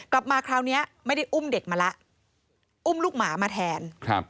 กลับมาคราวนี้ไม่ได้อุ้มเด็กมาแล้วอุ้มลูกหมามาแทน